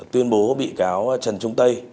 tuyên bố bị cáo trần trung tây